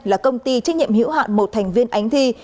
là công ty trách nhiệm hữu hạn một thành viên ánh thi